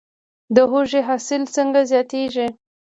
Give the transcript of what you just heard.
د هوږې حاصل څنګه زیات کړم؟